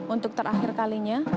untuk terakhir kalinya